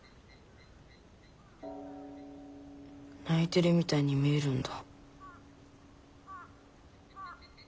泣いてるみたいに見えるんだ。